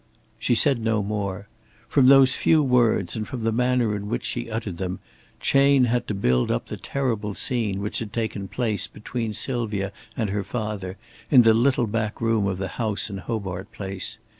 She said no more. From those few words, and from the manner in which she uttered them, Chayne had to build up the terrible scene which had taken place between Sylvia and her father in the little back room of the house in Hobart Place.